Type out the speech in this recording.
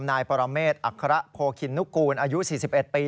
นายปรเมฆอัคระโพคินนุกูลอายุ๔๑ปี